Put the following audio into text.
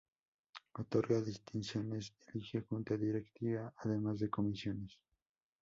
Otorga distinciones, elige Junta Directiva además de comisiones.